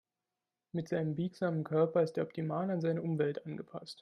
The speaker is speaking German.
Mit seinem biegsamen Körper ist er optimal an seine Umwelt angepasst.